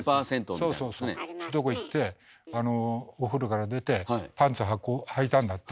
そうそうそういうとこ行ってお風呂から出てパンツはいたんだって。